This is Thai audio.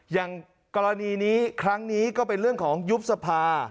อย่างกรณีนี้ครั้งนี้ก็เป็นเรื่องของยุบสภา